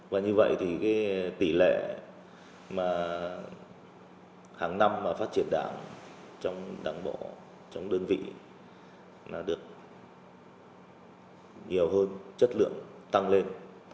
và như vậy thì tỷ lệ mà hàng năm mà phát triển đảng trong đảng bộ trong đơn vị là được nhiều hơn chất lượng tăng lên